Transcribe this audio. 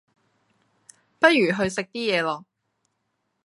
不如去食啲嘢囉